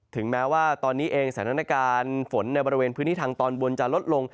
ถึงแม้ว่าตอนนี้เองสถานการณ์ฝนในบริเวณพื้นที่ทางตอนบนจะลดลง